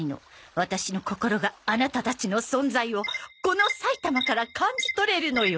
ワタシの心がアナタたちの存在をこの埼玉から感じ取れるのよ。